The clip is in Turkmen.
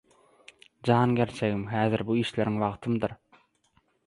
- Jan gerçegim, häzir bu işleriň wagtymydyr?